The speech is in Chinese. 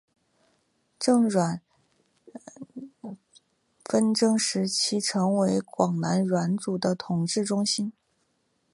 郑阮纷争时期成为广南阮主的统治中心。